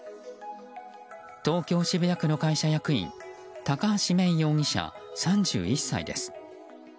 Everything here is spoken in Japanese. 東京・渋谷区の会社役員高橋めい容疑者、３１歳です。